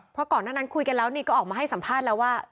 เพราะก่อนหน้านั้นคุยกันแล้วนี่ก็ออกมาให้สัมภาษณ์แล้วว่า